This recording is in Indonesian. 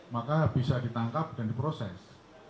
maka bisa ditangkap dan diproses